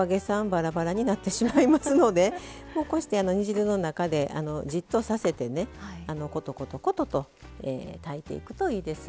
ばらばらになってしまいますのでこうして煮汁の中でじっとさせてコトコトコトコト炊いていくといいです。